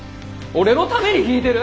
俺のために弾いてる？